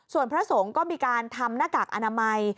ส่วนพระสงฆ์ก็มีการทำหน้ากากอนามัย